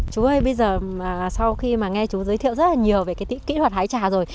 chú ơi bây giờ sau khi mà nghe chú giới thiệu rất là nhiều về cái kỹ thuật hái trà rồi